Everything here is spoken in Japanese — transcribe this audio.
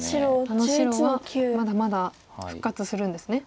あの白はまだまだ復活するんですね